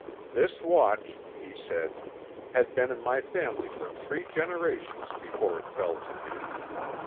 "This watch," he said, "had been in my family for three generations before it fell to me.